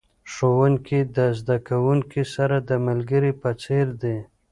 ښوونکي د زده کوونکو سره د ملګري په څیر دي.